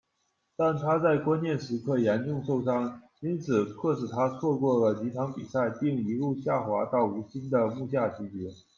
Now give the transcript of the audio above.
但他在关键时刻严重受伤，因此迫使他错过了几场比赛，并一路下滑到无薪的幕下级别。